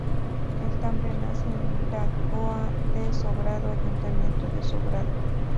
El Tambre nace en la Lagoa de Sobrado, ayuntamiento de Sobrado.